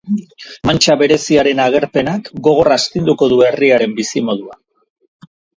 Mantxa bereziaren agerpenak gogor astiduko du herriaren bizimodua.